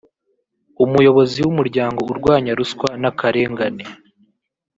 umuyobozi wumuryango urwanya ruswa nakarengane